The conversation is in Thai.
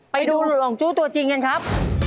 ไปดูหลงจู้ตัวจริงกันครับ